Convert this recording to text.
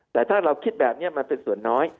แต่ถ้าเราคิดแบบนี้มันเป็นส่วนน้อย